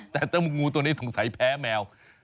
แต่เจ้างูตัวนี้สงสัยแพ้แมว